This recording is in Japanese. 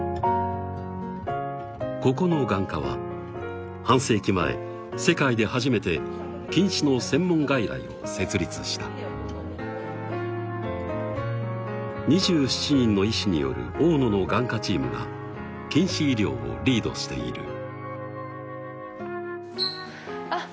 ここの眼科は半世紀前世界で初めて近視の専門外来を設立した２７人の医師による大野の眼科チームが近視医療をリードしているあっ